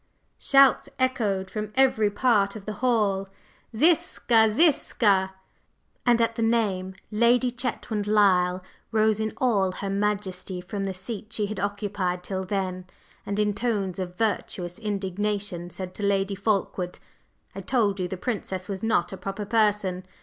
Shouts echoed from every part of the hall: "Ziska! Ziska!" And at the name Lady Chetwynd Lyle rose in all her majesty from the seat she had occupied till then, and in tones of virtuous indignation said to Lady Fulkeward: "I told you the Princess was not a proper person!